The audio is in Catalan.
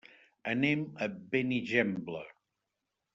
Anem a Benigembla.